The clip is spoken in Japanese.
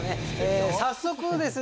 早速ですね